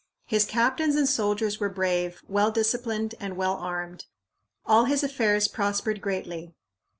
His captains and soldiers were brave, well disciplined, and well armed. All his affairs prospered greatly.